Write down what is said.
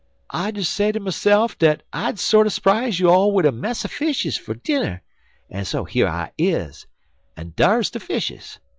'I des say ter myse'f dat I'd sorter sprize you all wid a mess er fishes fer dinner, en so here I is, en dar's de fishes.